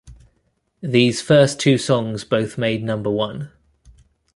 These first two songs both made number one.